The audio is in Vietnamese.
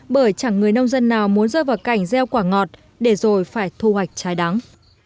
bởi chẳng người nông dân nào muốn rơi vào cảnh gieo quả ngọt để rồi phải thu hoạch trái đắng